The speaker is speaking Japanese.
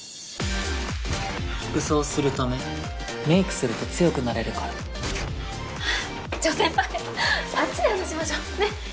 武装するためメイクすると強くなれるからちょっ先輩あっちで話しましょうねっ。